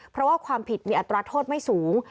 เพราะว่าความผิดมีอัตราโทษไม่สูง